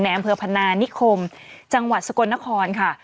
อำเภอพนานิคมจังหวัดสกลนครค่ะ